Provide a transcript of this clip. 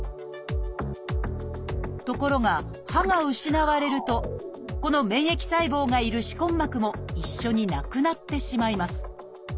ところが歯が失われるとこの免疫細胞がいる歯根膜も一緒になくなってしまいます。